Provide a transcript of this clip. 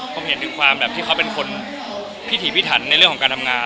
ผมเห็นถึงความแบบที่เขาเป็นคนพิถีพิถันในเรื่องของการทำงาน